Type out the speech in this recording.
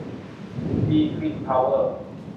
บี กริม เพาเวอร์